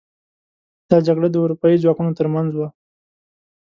دا جګړه د اروپايي ځواکونو تر منځ وه.